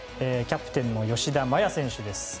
キャプテンの吉田麻也選手です。